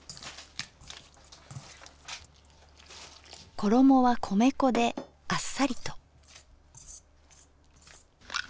衣は米粉であっさりと。